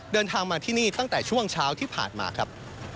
เดินทางมาที่นี่ตั้งแต่ช่วงเช้าที่ผ่านมาครับ